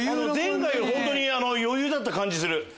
前回より余裕だった感じする。